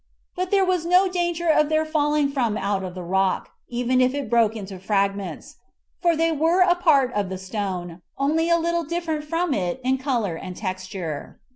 But there was no danger of their falling from out the rock, even if it broke into fragments ; for they were a part of the stone, only a little different from it in color and texture.